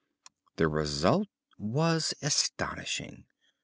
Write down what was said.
The result was astonishing.